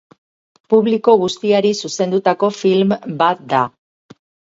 Publiko guztiari zuzendutako film bat da.